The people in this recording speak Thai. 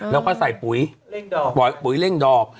แล้วก็ใส่ปุ๋ยปุ๋ยเร่งดอก